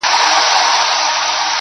اوس لا د گرانښت څو ټكي پـاتــه دي.